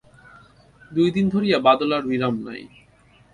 দুই দিন ধরিয়া বাদলার বিরাম নাই।